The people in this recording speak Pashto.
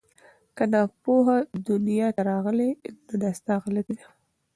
که ناپوه دنیا ته راغلې نو دا ستا غلطي نه ده